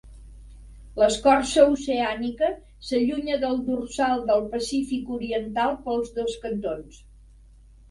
L'escorça oceànica s'allunya del Dorsal del Pacífic Oriental pels dos cantons.